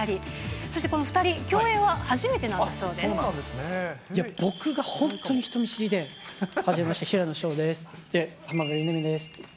そしてこの２人、共演は初めてな僕が本当に人見知りで、はじめまして、平野紫耀ですって。